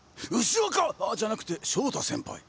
牛若じゃなくて翔太先輩？